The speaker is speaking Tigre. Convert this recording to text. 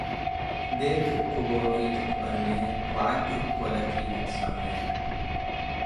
ቤት እብ ክቦ ኢትትበኔ ወዐድ እብ ወለት ኢልትሰሜ።